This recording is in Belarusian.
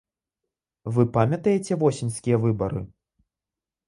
Вы памятаеце восеньскія выбары?